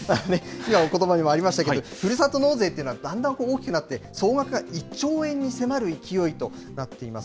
今もことばにもありましたけど、ふるさと納税というのは、だんだん大きくなって、総額が１兆円に迫る勢いとなっています。